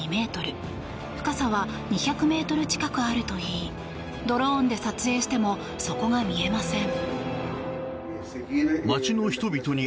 深さは２００ｍ近くあるといいドローンで撮影しても底は見えません。